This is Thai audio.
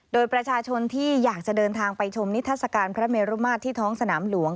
โดยประชาชนที่อยากจะเดินทางไปชมนิทัศกาลพระเมรุมาตรที่ท้องสนามหลวง